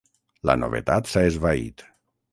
La novetat s'ha esvaït.